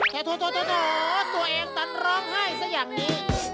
ตัวเองตันร้องไห้ซะอย่างนี้